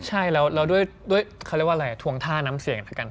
ใช่แล้วด้วยเขาเรียกว่าอะไรทวงท่าน้ำเสียงแล้วกัน